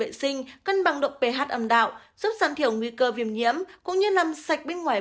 vệ sinh cân bằng độ ph âm đạo giúp giảm thiểu nguy cơ viêm nhiễm cũng như làm sạch bên ngoài